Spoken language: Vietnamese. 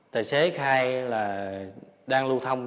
tài xế khai là đang lưu thông